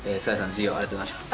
授業ありがとうございました。